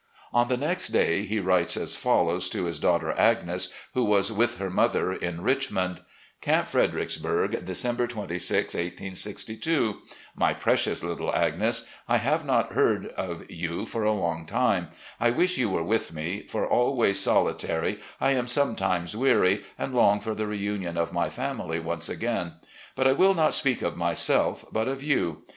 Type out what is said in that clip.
On the next day he writes as follows to his daughter Agnes, who was with her mother in Richmond: 88 RECOLLECTIONS OF GENERAL LEE "Camp Fredericksburg, December 26, 1862. " My Precious Little Agnes: I have not heard of you for a long time. I wish you were with me, for, always soli tary, I am sometimes weary, and long for the reunion of my family once again. But I will not speak of myself, but of you.